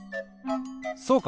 そうか！